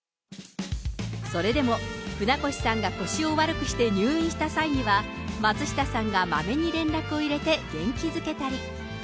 それでも、船越さんが腰を悪くして入院した際には、松下さんがまめに連絡を入れて元気づけたり。